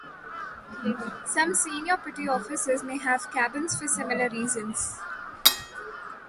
Some senior petty officers may have cabins for similar reasons.